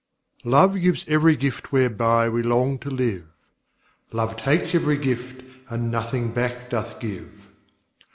Love gives every gift whereby we long to live "Love takes every gift, and nothing back doth give."